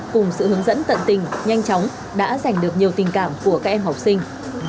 cùng sự hướng dẫn tận tình nhanh chóng đã giành được nhiều tình cảm của các em học sinh